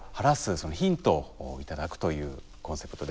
そのヒントを頂くというコンセプトです。